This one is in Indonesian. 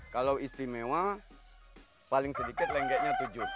kalau istimewa paling sedikit lengketnya tujuh